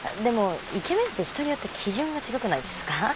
でもイケメンって人によって基準が違くないですか？